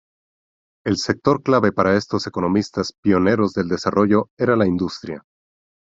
El sector clave para estos economistas pioneros del desarrollo era la industria.